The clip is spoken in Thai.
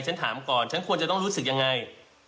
ฉันถามก่อนฉันควรจะต้องรู้สึกยังไง